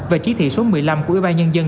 và chỉ thị số một mươi năm của ủy ban nhân dân